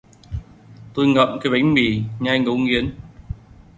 Tôi ngậm cái bánh mì nhai ngấu nghiến